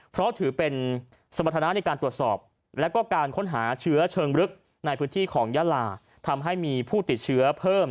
เพราะถือเป็นสมรรถนะในการตรวจสอบแล้วก็การค้นหาเชื้อเชิงลึกในพื้นที่ของยาลาทำให้มีผู้ติดเชื้อเพิ่ม